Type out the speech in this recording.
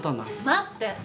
待って！